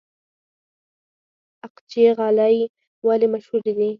اقچې غالۍ ولې مشهورې دي؟